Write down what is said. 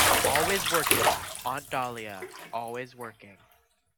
Always working, Aunt Dahlia, always working.